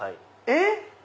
えっ！